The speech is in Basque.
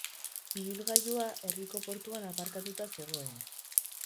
Ibilgailua herriko portuan aparkatuta zegoen.